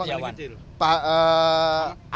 adik yang kedua lah